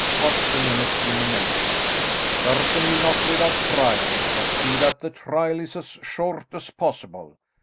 asked the minister in amazement. "Certainly not without trial, but see that the trial is as short as possible.